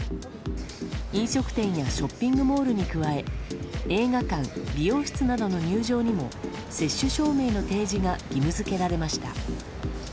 飲食店やショッピングモールに加え映画館、美容室などの入場にも接種証明の提示が義務付けられました。